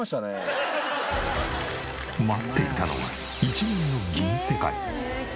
待っていたのは一面の銀世界。